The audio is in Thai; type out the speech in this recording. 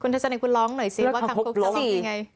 คุณทัชนัยคุณร้องหน่อยสิว่าคังคกร้องเป็นอะไง